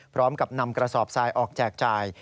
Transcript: พร้อมกับนำกระสอบทรายออกแจกจ่าย